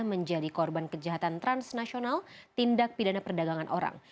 menjadi korban kejahatan transnasional tindak pidana perdagangan orang